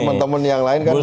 teman teman yang lain kan